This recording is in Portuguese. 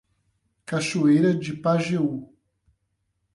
Cachoeira de Pajeú